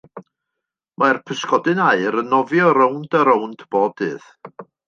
Mae'r pysgodyn aur yn nofio rownd a rownd bob dydd.